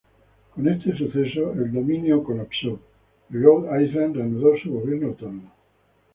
Con este evento, el dominio colapsó y Rhode Island reanudó su gobierno autónomo.